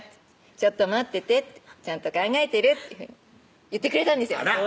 「ちょっと待っててちゃんと考えてる」っていうふうに言ってくれたんですよあら！